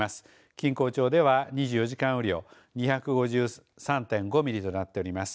錦江町では２４時間雨量２５３．５ミリとなっております。